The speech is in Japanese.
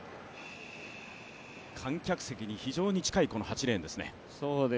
観客席に非常に近い８レーンですね